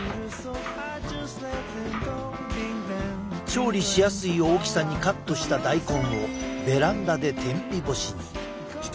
調理しやすい大きさにカットした大根をベランダで天日干しに。